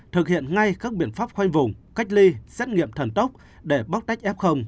thực hiện ngay các biện pháp khoanh vùng cách ly xét nghiệm thần tốc để bóc tách f